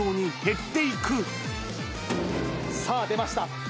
さあ、出ました。